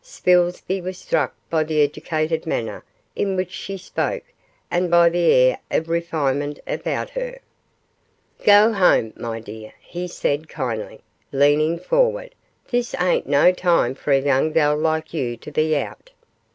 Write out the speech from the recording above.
Spilsby was struck by the educated manner in which she spoke and by the air of refinement about her. 'Go home, my dear,' he said, kindly, leaning forward; 'this ain't no time for a young gal like you to be out.